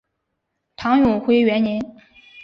唐永徽元年。